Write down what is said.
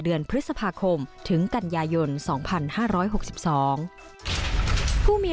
เดือนพฤษภาคมถึงกันยายนสองพันห้าร้อยหกสิบสองผู้มี